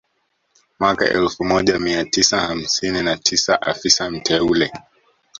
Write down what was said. Mwaka elfu moja mia tisa hamsini na tisa afisa mteule